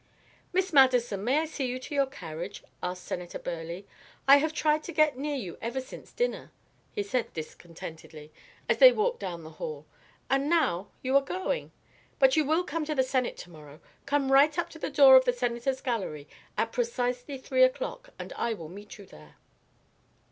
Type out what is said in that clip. "Miss Madison, may I see you to your carriage?" asked Senator Burleigh. "I have tried to get near you ever since dinner," he said discontentedly, as they walked down the hall, "and now you are going. But you will come to the Senate to morrow? Come right up to the door of the Senators' Gallery at precisely three o'clock and I will meet you there."